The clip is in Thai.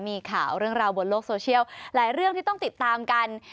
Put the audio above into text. มีข่าวเรื่องราวบนโลกโซเชียลหลายเรื่องที่ต้องติดตามกัน